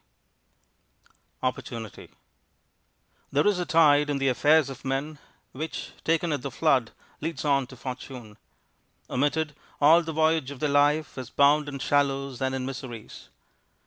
_ OPPORTUNITY There is a tide in the affairs of men, Which, taken at the flood, leads on to fortune; Omitted, all the voyage of their life Is bound in shallows and in miseries.